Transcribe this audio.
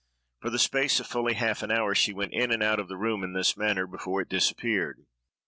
For the space of fully half an hour she went in and out of the room in this manner, before it disappeared.